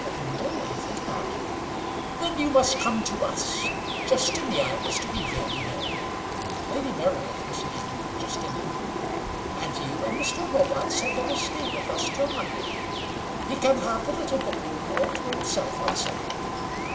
"No, I think not." "Then you must come to us. Justinia is to be here, you know" Lady Meredith was named Justinia "and you and Mr. Robarts had better stay with us till Monday. He can have the little book room all to himself on Sunday.